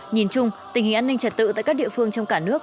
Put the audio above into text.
nhìn chung tình hình an ninh trật tự tại các địa phương trong cả nước